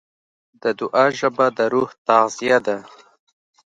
د دعا ژبه د روح تغذیه ده.